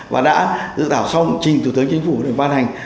và đã dự đảo xong trình thủ tướng chính phủ để phát hành